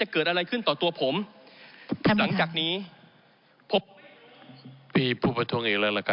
ขออนุญาตประทวง